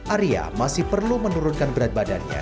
arya masih perlu menurunkan berat badannya